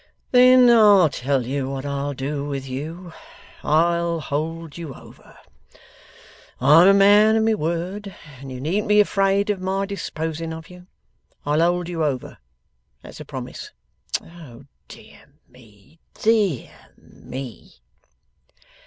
Then I'll tell you what I'll do with you; I'll hold you over. I am a man of my word, and you needn't be afraid of my disposing of you. I'll hold you over. That's a promise. Oh dear me, dear me!